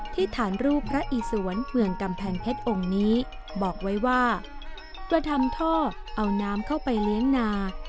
ฐานรูปพระอิสวนเมืองกำแพงเพชรองค์นี้บอกไว้ว่ากระทำท่อเอาน้ำเข้าไปเลี้ยงนา